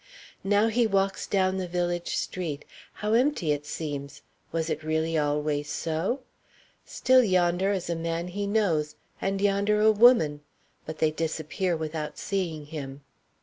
Now he walks down the village street. How empty it seems! was it really always so? Still, yonder is a man he knows and yonder a woman but they disappear without seeing him.